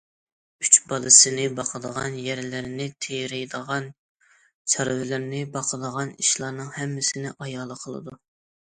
ئۈچ بالىسىنى باقىدىغان، يەرلىرىنى تېرىيدىغان، چارۋىلىرىنى باقىدىغان ئىشلارنىڭ ھەممىسىنى ئايالى قىلىدۇ.